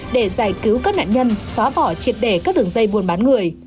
để giải cứu các nạn nhân xóa bỏ triệt đề các đường dây buôn bán người